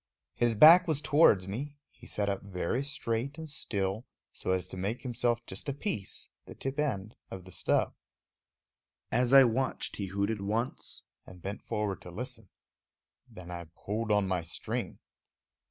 His back was towards me; he sat up very straight and still, so as to make himself just a piece, the tip end, of the stub. As I watched, he hooted once and bent forward to listen. Then I pulled on my string.